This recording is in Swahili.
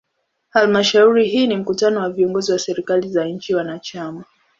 Halmashauri hii ni mkutano wa viongozi wa serikali za nchi wanachama.